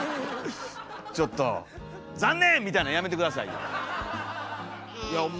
ちょっと「残念！」みたいなんやめて下さいよ。